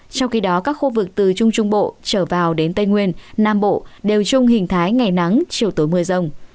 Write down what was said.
trong khi đó các khu vực từ trung trung bộ trở vào đến tây nguyên nam bộ đều chung hình thái ngày nắng chiều tối mưa rông